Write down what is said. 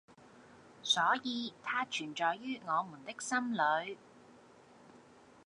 所以它存在於我們的心裏！